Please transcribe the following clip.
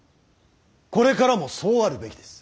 これからもそうあるべきです。